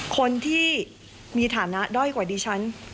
คนที่มีฐานะด้อยกว่าดิฉัน